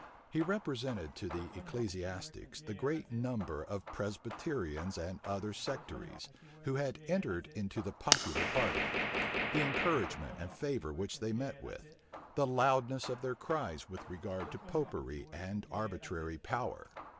He represented to the ecclesiastics the great number of Presbyterians and other sectaries, who had entered into the popular party; the encouragement and favor which they met with; the loudness of their cries with regard to Popery and arbitrary power.